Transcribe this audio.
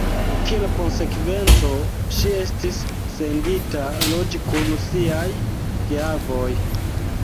Kiel konsekvenco, ŝi estis sendita loĝi kun siaj geavoj.